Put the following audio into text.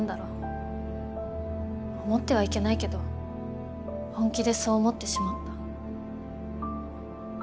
思ってはいけないけど本気でそう思ってしまった。